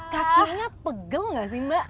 kakinya pegel gak sih mbak